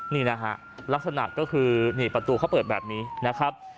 นี่นะฮะลักษณะก็คือนี่ประตูเขาเปิดแบบนี้นะครับ